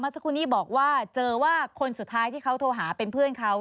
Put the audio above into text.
สักครู่นี้บอกว่าเจอว่าคนสุดท้ายที่เขาโทรหาเป็นเพื่อนเขา